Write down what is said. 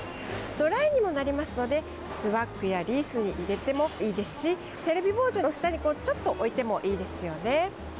ドライにもなりますのでスワッグやリースに入れてもいいですしテレビボードの下にちょっと置いてもいいですよね。